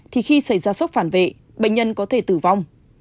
thì khi xảy ra sốc phản vệ bệnh nhân có thể tử vong